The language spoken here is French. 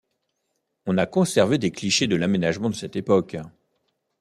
On a conservé des clichés de l'aménagement de cette époque.